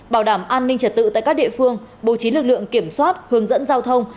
bảo đảm an ninh trật tự tại các địa phương bố trí lực lượng kiểm soát hướng dẫn giao thông